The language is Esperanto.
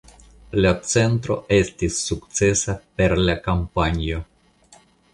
La centro estis sukcesa per la kampanjo.